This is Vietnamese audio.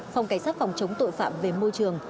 phòng cảnh sát phòng chống tội phạm về môi trường